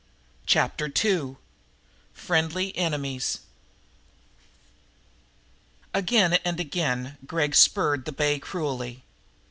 Chapter Two Friendly Enemies Again and again Gregg spurred the bay cruelly.